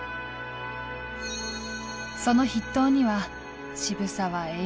その筆頭には渋沢栄一。